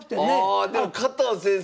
でも加藤先生